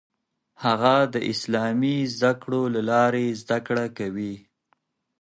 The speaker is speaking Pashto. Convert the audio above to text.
هغه د اسلامي زده کړو له لارې زده کړه کوي.